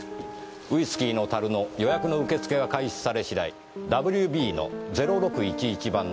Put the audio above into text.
ウィスキーの樽の予約の受け付けが開始され次第ＷＢの０６１１番の樽を予約するように。